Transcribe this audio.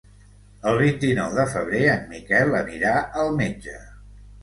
El vint-i-nou de febrer en Miquel anirà al metge.